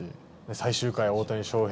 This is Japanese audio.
最終回、大谷翔平